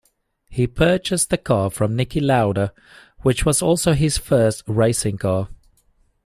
He purchased the car from Niki Lauda, which was also his first racing car.